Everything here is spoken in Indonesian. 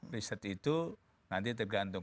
research itu nanti tergantung